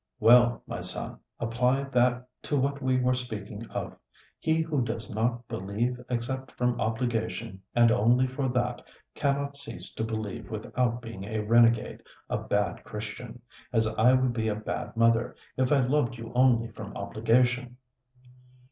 "Well, my son, apply that to what we were speaking of: he who does not believe except from obligation, and only for that, cannot cease to believe without being a renegade, a bad Christian; as I would be a bad mother if I loved you only from obligation."